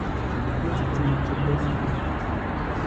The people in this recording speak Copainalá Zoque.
Jiʼtsi tsiwi tsukäsi.